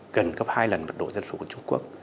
gần gấp hai lần mật độ dân số của trung quốc